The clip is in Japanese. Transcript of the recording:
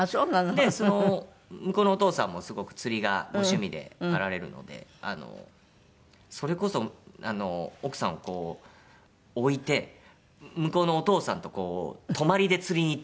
で向こうのお父さんもすごく釣りがご趣味であられるのでそれこそ奥さんを置いて向こうのお父さんと泊まりで釣りに行っちゃう。